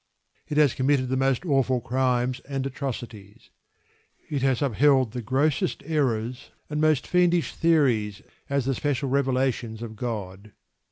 It has committed the most awful crimes and atrocities. It has upheld the grossest errors and the most fiendish theories as the special revelations of God.